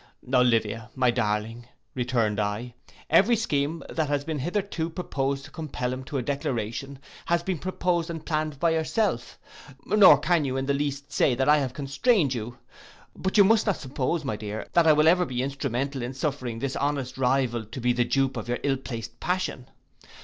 '—'Olivia, my darling,' returned I, 'every scheme that has been hitherto pursued to compel him to a declaration, has been proposed and planned by yourself, nor can you in the least say that I have constrained you. But you must not suppose, my dear, that I will ever be instrumental in suffering his honest rival to be the dupe of your ill placed passion.